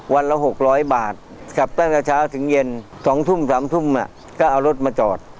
วันละ๖๐๐บาทขับตั้งแต่เช้าถึงเย็น๒ทุ่ม๓ทุ่มก็เอารถมาจอด